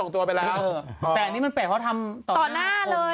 แต่อันนี้มันแปลกเพราะทำต่อหน้าเลย